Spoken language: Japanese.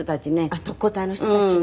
あっ特攻隊の人たちが。